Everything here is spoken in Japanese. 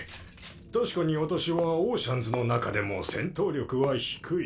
確かに私はオーシャンズの中でも戦闘力は低い。